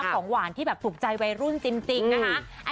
ของหวานที่แบบถูกใจวัยรุ่นจริงนะคะ